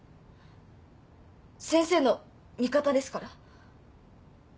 先生の味方ですから。